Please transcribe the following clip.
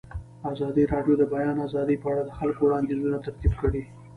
ازادي راډیو د د بیان آزادي په اړه د خلکو وړاندیزونه ترتیب کړي.